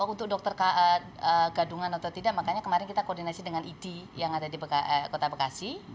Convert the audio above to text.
untuk dokter gadungan atau tidak makanya kemarin kita koordinasi dengan idi yang ada di kota bekasi